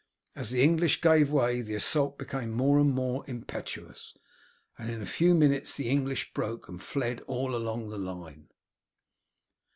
As the English gave way the assault became more and more impetuous, and in a few minutes the English broke and fled all along the line.